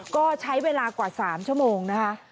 ก็ใช้เวลากว่า๓ชั่วโมงนะคะ